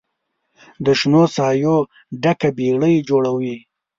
د شنو سایو ډکه بیړۍ جوړوي